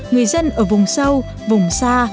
người dân ở vùng sâu vùng xa